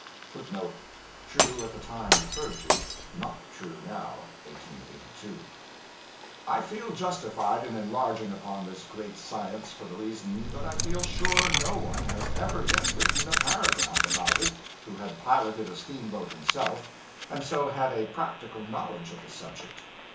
{footnote [True at the time referred to; not true now (1882).]} I feel justified in enlarging upon this great science for the reason that I feel sure no one has ever yet written a paragraph about it who had piloted a steamboat himself, and so had a practical knowledge of the subject.